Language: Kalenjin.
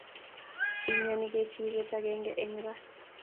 Imnyani kechiriet akenge eng ra